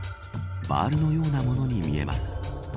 バールのようなものに見えます。